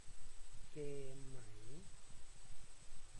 เกมไหม